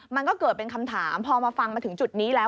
มันก็เกิดเป็นคำถามพอมาฟังมาถึงจุดนี้แล้ว